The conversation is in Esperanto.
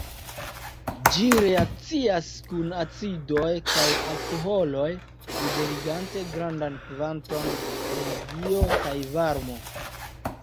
Ĝi reakcias kun acidoj kaj alkoholoj liberigante grandan kvanton da energio kaj varmo.